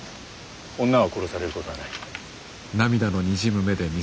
女は殺されることはない。